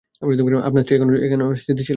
আপনার স্ত্রী এখন স্থিতিশীল আছে।